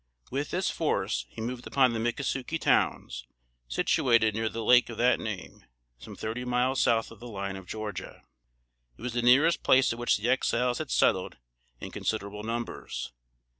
With this force, he moved upon the Mickasukie towns, situated near the Lake of that name, some thirty miles south of the line of Georgia. It was the nearest place at which the Exiles had settled in considerable numbers.